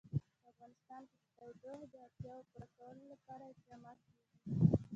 په افغانستان کې د تودوخه د اړتیاوو پوره کولو لپاره اقدامات کېږي.